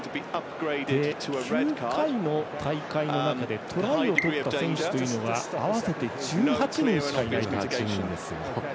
９回の大会の中でトライを取った選手というのは合わせて１８人しかいないと。